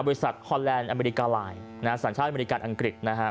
บริษัทฮอลแลนด์อเมริกาไลน์สหรัฐอเมริกาอังกฤษ